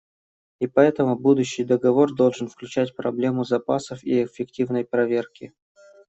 И поэтому будущий договор должен включать проблему запасов и эффективной проверки.